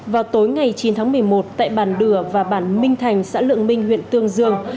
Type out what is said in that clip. vào tối ngày chín tháng một mươi một tại bản đửa và bản minh thành xã lượng minh huyện tương dương